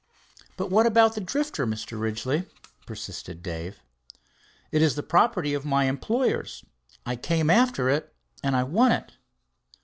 "But what about the Drifter, Mr. Ridgley?" persisted Dave. "It is the property of my employers. I came after it, and I want it."